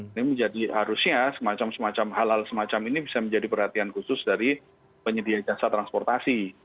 ini menjadi harusnya semacam semacam hal hal semacam ini bisa menjadi perhatian khusus dari penyedia jasa transportasi